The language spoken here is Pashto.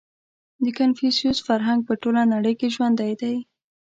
• د کنفوسیوس فرهنګ په ټوله نړۍ کې ژوندی دی.